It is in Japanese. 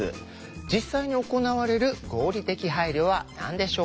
実際に行われる合理的配慮は何でしょうか？